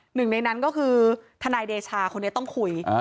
หนึ่งในนั้นก็คือทนายเดชาคนนี้ต้องคุย